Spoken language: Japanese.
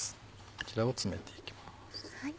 こちらを詰めていきます。